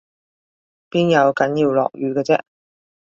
邊有梗要落雨嘅啫？